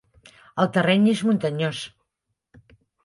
El terreny és muntanyós.